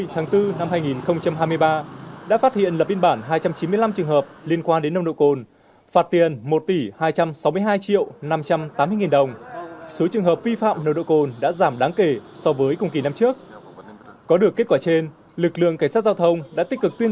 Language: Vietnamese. thông tin nhiềuitar arim springedam và oakaaa khí tiến